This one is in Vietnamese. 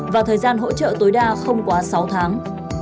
và thời gian hỗ trợ tối đa không quá sáu tháng